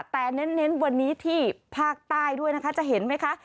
แต่เน้นวันนี้ที่ภาคใต้ด้วยนะคะจะเห็นไหมคะ